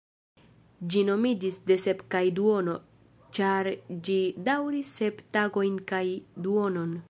Ĝi nomiĝis "de sep kaj duono", ĉar ĝi daŭris sep tagojn kaj duonon.